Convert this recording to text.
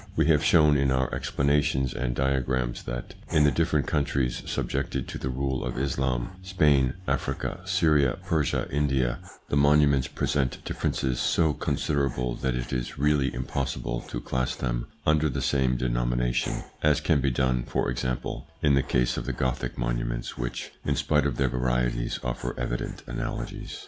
We have shown in our explanations and diagrams that, in the different countries subjected to the rule of Islam Spain, Africa, Syria, Persia, India the monuments present differences so con siderable that it is really impossible to class them under the same denomination, as can be done, for example, in the case of the Gothic monuments which, in spite of their varieties, offer evident analogies.